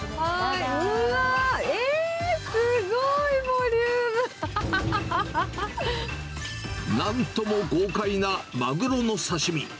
うわー、えー、すごいボリュなんとも豪快なマグロの刺身。